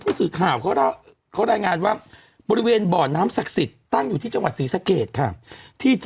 เพราะพิดาก็มีบ่อน้ำสักสิทธิ์